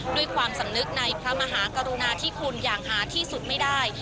ด้วยความสำนึกในพระมหากรุณาที่คุณอย่างหาที่สุดไม่ได้